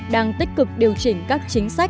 đang tích cực điều chỉnh các chính sách